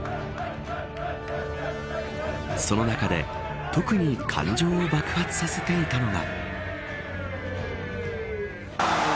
その中で、特に感情を爆発させていたのが。